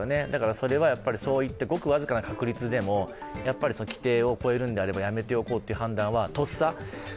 それはそういったごく僅かな確率でも、規定を超えるのであればやめておこうという判断はとっさに。